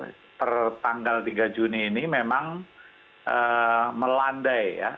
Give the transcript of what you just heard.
nah per tanggal tiga juni ini memang melandai ya